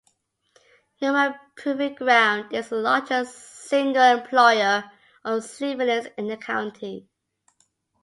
Yuma Proving Ground is the largest single employer of civilians in the county.